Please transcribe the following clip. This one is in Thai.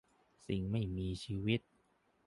สิ่งไม่มีชีวิต